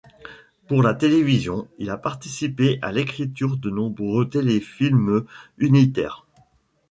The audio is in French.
Pour la télévision, il a participé à l’écriture de nombreux téléfilms unitaires.